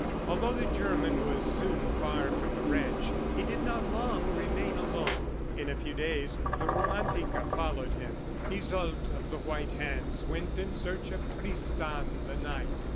Although the German was soon far from the ranch, he did not long remain alone. In a few days, the Romantica followed him. ... Iseult of the white hands went in search of Tristan, the knight.